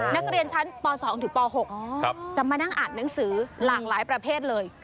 นักเรียนชั้นป๒ถึงป๖จะมานั่งอ่านหนังสือหลากหลายประเภทเลย